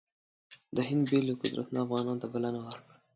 د هند بېلو قدرتونو افغانانو ته بلنه ورکړه.